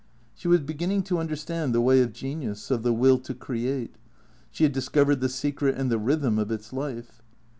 She was beginning to understand the way of genius, of the will to create. She had discovered the secret and the rhythm of its life.